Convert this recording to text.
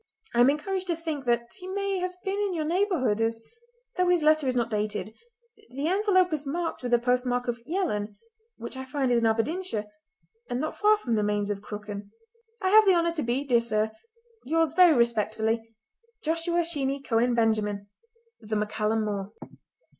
I am encouraged to think that he may have been in your neighbourhood as, though his letter is not dated, the envelope is marked with the postmark of 'Yellon' which I find is in Aberdeenshire, and not far from the Mains of Crooken. "I have the honour to be, dear sir, "Yours very respectfully, "Joshua Sheeny Cohen Benjamin "(The MacCallum More.)"